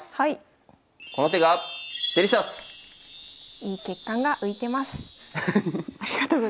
いい血管が浮いてます。